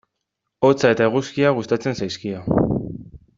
Hotza eta eguzkia gustatzen zaizkio.